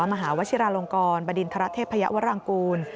มหาวชิราลงกรบดินทรเทพยาวรางกูล